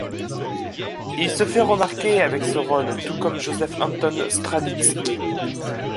Il se fait remarquer avec ce rôle, tout comme Josef Anton Stranitzky.